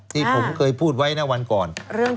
ที่ผมเคยพูดไว้นะวันก่อนเรื่องที่ดิน